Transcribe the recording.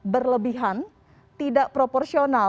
berlebihan tidak proporsional